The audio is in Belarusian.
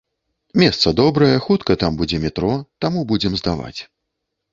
Месца добрае, хутка там будзе метро, таму будзем здаваць.